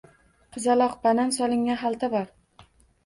Qizaloq banan solingan xalta bor.